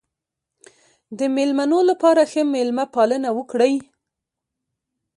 د مېلمنو لپاره ښه مېلمه پالنه وکړئ.